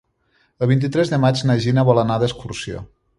El vint-i-tres de maig na Gina vol anar d'excursió.